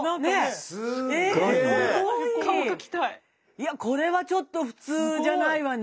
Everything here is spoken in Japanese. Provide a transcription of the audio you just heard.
いやこれはちょっと普通じゃないわね。